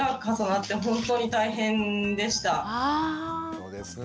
そうですね。